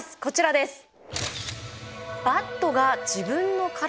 こちらです。